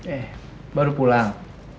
eh baru pulang